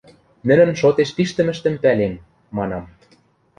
– Нӹнӹн шотеш пиштӹмӹштӹм пӓлем, – манам.